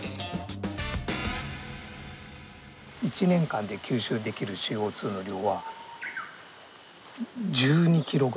１年間で吸収できるＣＯの量は１２ｋｇです。